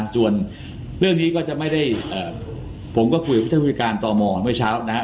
ส่วนเรื่องนี้ก็จะไม่ได้ผมก็คุยกับท่านผู้การต่อมองเมื่อเช้านะฮะ